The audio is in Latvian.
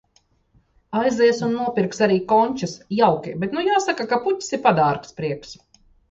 Aizies un nopirks arī končas. Jauki. Bet nu jāsaka, ka puķes ir padārgs prieks.